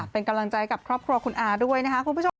เป็นกำลังใจกับครอบครัวคุณาภาคุณ